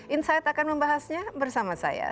insight akan membahasnya bersama saya